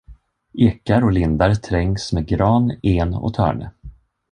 Ekar och lindar trängas med gran, en och törne.